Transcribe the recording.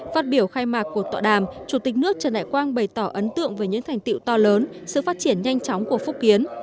phát biểu khai mạc cuộc tọa đàm chủ tịch nước trần đại quang bày tỏ ấn tượng về những thành tiệu to lớn sự phát triển nhanh chóng của phúc kiến